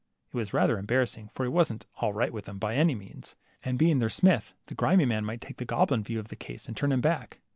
It was rather embarrassing, for he wasn't all right with 'em" by any means, and, being their smith, the grimy man might take the goblin view of the case, and turn him back.